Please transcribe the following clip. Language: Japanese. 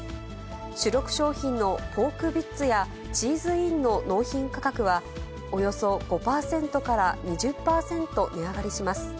主力商品のポークビッツやチーズインの納品価格は、およそ５％から２０％値上がりします。